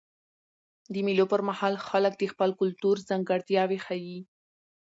د مېلو پر مهال خلک د خپل کلتور ځانګړتیاوي ښیي.